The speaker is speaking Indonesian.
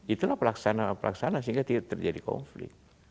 itulah pelaksana pelaksana sehingga terjadi konflik